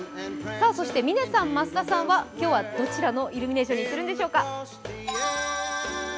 嶺さん、増田さんは今日はどちらのイルミネーションに行っているんでしょうか。